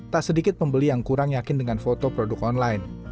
tak sedikit pembeli yang kurang yakin dengan foto produk online